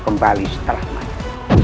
kembali setelah mati